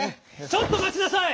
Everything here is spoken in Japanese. ちょっとまちなさい！